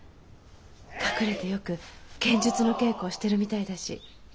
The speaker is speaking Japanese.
隠れてよく剣術の稽古をしてるみたいだし。